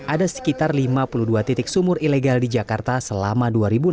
ada sekitar lima puluh dua titik sumur ilegal di jakarta selama dua ribu enam belas